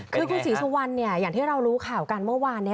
คือคุณศรีสุวรรณเนี่ยอย่างที่เรารู้ข่าวกันเมื่อวานนี้